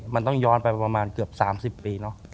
มันต้องย้อนไปประมาณเกือบ๓๐ปีเนอะ